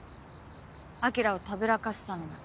晶をたぶらかしたのは。